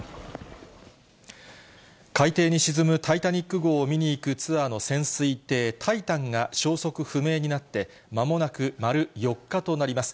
海底に沈むタイタニック号を見に行くツアーの潜水艇タイタンが消息不明になって、まもなく丸４日となります。